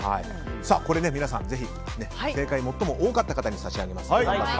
皆さん、ぜひ正解、最も多かった方に差し上げます。